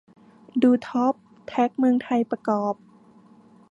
ดูท็อปแท็กเมืองไทยประกอบ